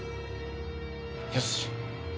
よし。